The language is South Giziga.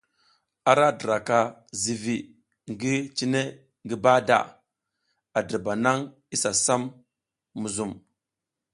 A ra diraka zivi ngi cine ngi bahada, a dirba nang isa sam muzum.